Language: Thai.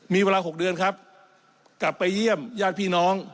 มีเวลา๖เดือนครับกลับไปเยี่ยมญาติพี่น้อง